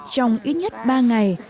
trong ít nhất ba ngày